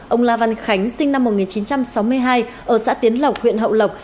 ông la văn khánh sinh năm một nghìn chín trăm sáu mươi hai ở xã tiến lộc huyện hậu lộc